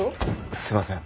すいません。